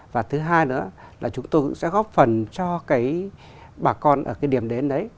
và thứ hai nữa là chúng tôi sẽ góp phần cho bà con ở điểm đến đấy